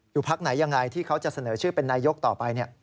พักไหนยังไงที่เขาจะเสนอชื่อเป็นนายกต่อไป